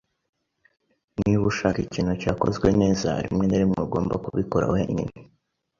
Niba ushaka ikintu cyakozwe neza, rimwe na rimwe ugomba kubikora wenyine.